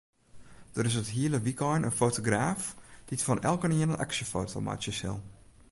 Der is it hiele wykein in fotograaf dy't fan elkenien in aksjefoto meitsje sil.